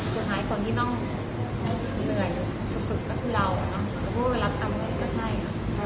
สุดท้ายคนที่ต้องเหนื่อยสุดสุดก็คือเรานะจะพูดว่าเรารับกรรมก็ใช่นะ